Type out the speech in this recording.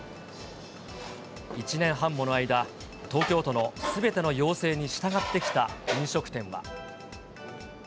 １年半もの間、東京都のすべての要請に従ってきた飲食店は。